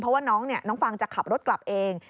เพราะว่าน้องฟังจะขับรถกลับเอง